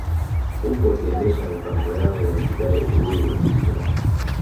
Huku wakiendesha mipango yao ya kudai uhuru wa nchi zao